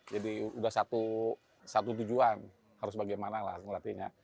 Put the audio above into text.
jadi sudah satu tujuan harus bagaimana lah pemelatihnya